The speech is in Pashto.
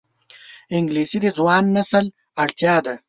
انګلیسي د ځوان نسل اړتیا ده